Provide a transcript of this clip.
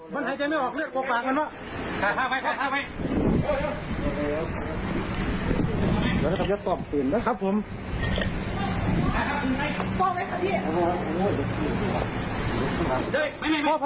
พี่ขอแล้วพี่ขอแล้วครับ